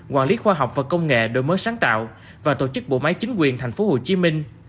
quản lý khoa học và công nghệ đổi mới sáng tạo và tổ chức bộ máy chính quyền thành phố hồ chí minh